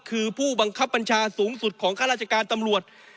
คือผู้บังคับบัญชาสูงสุดของข้าราชการตำรวจ